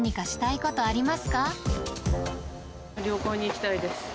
旅行に行きたいです。